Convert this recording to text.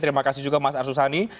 terima kasih juga mas arsul sani